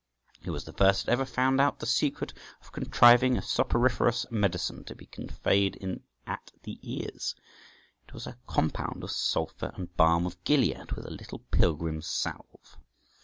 He was the first that ever found out the secret of contriving a soporiferous medicine to be conveyed in at the ears {148d}. It was a compound of sulphur and balm of Gilead, with a little pilgrim's salve.